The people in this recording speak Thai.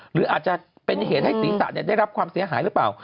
หรืออาจจะเป็นเหตุให้ศีรษะได้รับความเสียหายหรือเปล่า